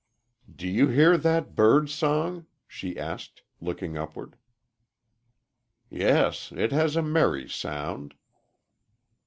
"Do you hear that bird song?" she asked, looking upward. "Yes, it has a merry sound."